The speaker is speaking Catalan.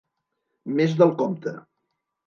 Més del compte.